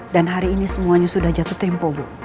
dan hari ini semuanya sudah jatuh tempo bu